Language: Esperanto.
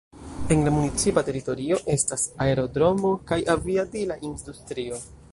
En la municipa teritorio estas aerodromo kaj aviadila industrio.